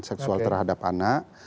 seksual terhadap anak